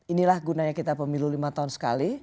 inilah gunanya kita pemilu lima tahun sekali